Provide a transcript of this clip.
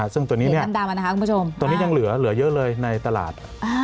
ซึ่งตัวนี้ยังเหลือเยอะเลยในตลาด